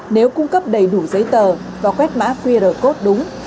nếu cung cấp đầy đủ giấy tờ và quét mã qr code đúng